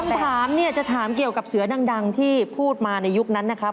ถามเนี่ยจะถามเกี่ยวกับเสือดังที่พูดมาในยุคนั้นนะครับ